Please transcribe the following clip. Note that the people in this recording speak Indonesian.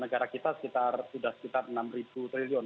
negara kita sudah sekitar enam triliun